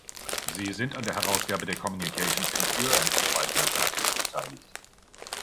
Sie sind an der Herausgabe der Communications in Pure and Applied Mathematics beteiligt.